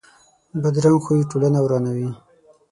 بدرنګه خوی ټولنه ورانوي